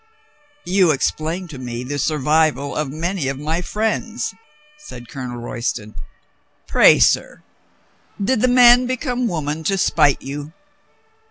"You explain to me the survival of many of my friends," said Colonel Royston. "Pray, sir, did the man become woman to spite you